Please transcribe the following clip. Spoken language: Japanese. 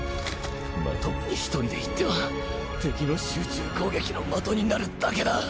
まともに１人で行っては敵の集中攻撃の的になるだけだ。